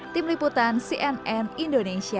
tim liputan cnn indonesia